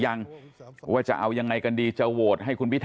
อย่างว่าจะเอายังไงจะโหวต